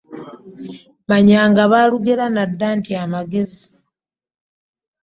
Manyanga baalugera na dda nti: “Amagezi ntakke ekula y’ebuuka.”